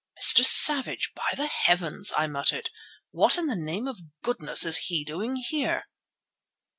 "Mr. Savage, by the Heavens!" I muttered. "What in the name of goodness is he doing here?"